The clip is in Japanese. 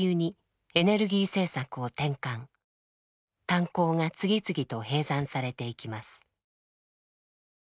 炭鉱が次々と閉山されていきます。